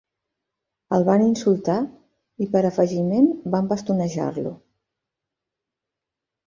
El van insultar, i per afegiment van bastonejar-lo.